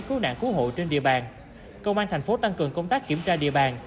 cứu nạn cứu hộ trên địa bàn công an thành phố tăng cường công tác kiểm tra địa bàn